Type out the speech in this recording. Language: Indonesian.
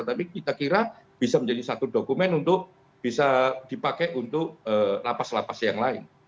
tapi kita kira bisa menjadi satu dokumen untuk bisa dipakai untuk lapas lapas yang lain